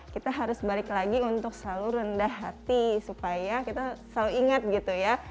kita harus balik lagi untuk selalu rendah hati supaya kita selalu ingat gitu ya